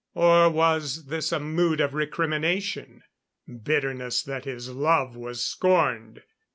Or was this a mood of recrimination? Bitterness that his love was scorned.